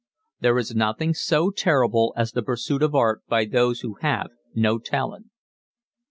There is nothing so terrible as the pursuit of art by those who have no talent.